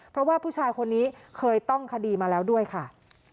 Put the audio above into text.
เพราะว่าผู้ชายคนนี้เคยต้องคดีมาแล้วด้วยค่ะ